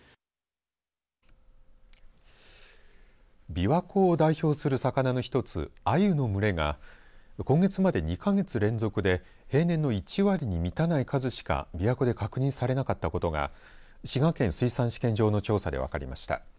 びわ湖を代表する魚の一つあゆの群れが今月まで２か月連続で平年の１割に満たない数しかびわ湖で確認されなかったことが滋賀県水産試験場の調査で分かりました。